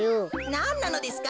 なんなのですか？